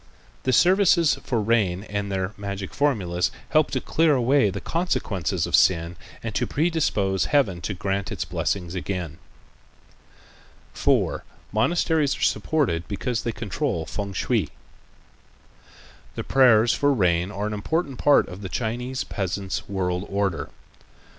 The services for rain with their magic formulas help to clear away the consequences of sin and to predispose Heaven to grant its blessings again. 4. Monasteries Are Supported Because They Control Fêng shui The prayers for rain are an important part of the Chinese peasant's world order.